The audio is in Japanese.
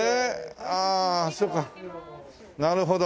ああそうかなるほど。